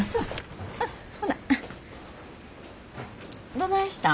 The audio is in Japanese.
どないしたん？